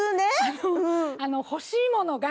あの欲しいものが。